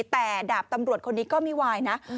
แต่ดาบตำรวจคนนี้ก็ไม่วายนะ